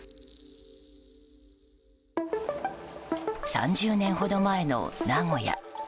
３０年ほど前の名古屋。